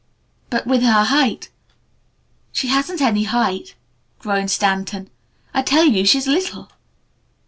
But with her height " "She hasn't any height," groaned Stanton. "I tell you she's little."